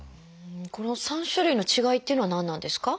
この３種類の違いっていうのは何なんですか？